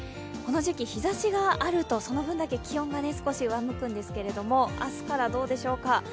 この時期、日ざしがあるとその分だけ気温が少し上向くんですけど明日からどうでしょうか。